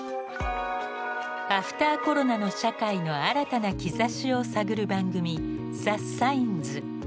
アフターコロナの社会の新たな兆しを探る番組「ＴｈｅＳｉｇｎｓ」。